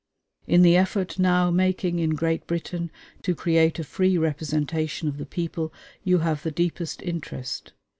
In the effort now making in Great Britain to create a free representation of the people you have the deepest interest.